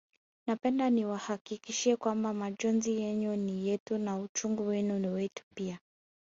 Napenda niwahakikishie kwamba majonzi yenu ni yetu na uchungu wenu ni wetu pia